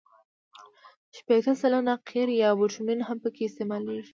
شپېته سلنه قیر یا بټومین هم پکې استعمالیږي